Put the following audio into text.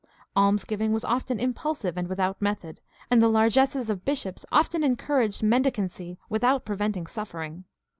Alms giving was often impulsive and without method, and the largesses of bishops often encouraged mendicancy without preventing suffering.